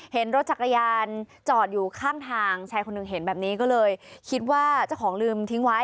เห็นรถจักรยานจอดอยู่ข้างทางชายคนหนึ่งเห็นแบบนี้ก็เลยคิดว่าเจ้าของลืมทิ้งไว้